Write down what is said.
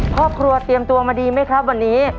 ครอบครัวเตรียมตัวมาดีไหมครับวันนี้